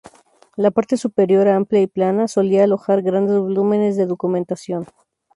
La parte superior, amplia y plana, solía alojar grandes volúmenes de documentación.